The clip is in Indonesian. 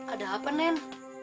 ada apa nen